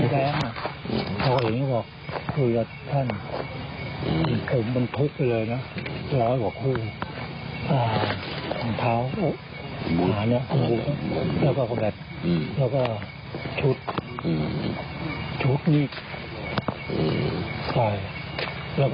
แล้วก็ชุดชุดนิดใส่แล้วก็หัวหัวแบบปากที่เครื่อง